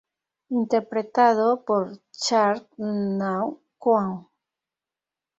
Interpretado por Chan Kwok-Kwan.